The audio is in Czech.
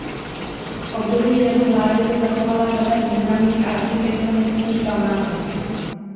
Z období jeho vlády se zachovala řada významných architektonických památek.